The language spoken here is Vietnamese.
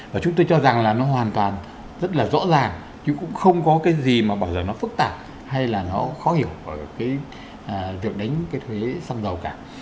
và chúng tôi cho rằng là nó hoàn toàn rất là rõ ràng chứ cũng không có cái gì mà bảo giờ nó phức tạp hay là nó khó hiểu cái việc đánh cái thuế xăng dầu cả